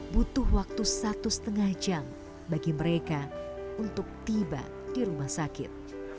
butuh waktu satu lima jam bagi mereka untuk tiba di rumah sakit